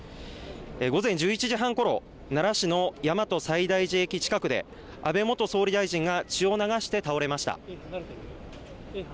午前１１時半ごろ奈良市の大和西大寺駅近くで安倍元総理大臣が血を流して倒れました。